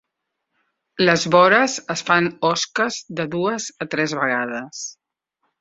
Les vores es fan osques de dues a tres vegades.